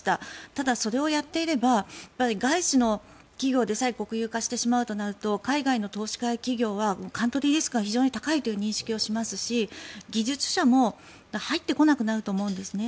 ただ、それをやっていれば外資の企業でさえ国有化してしまうとなると海外の投資家や企業はカントリーリスクが非常に高いという認識をしますし技術者も入ってこなくなると思うんですね。